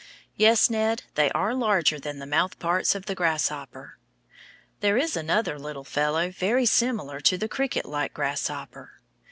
Yes, Ned, they are larger than the mouth parts of the grasshopper. There is another little fellow very similar to the cricket like grasshopper.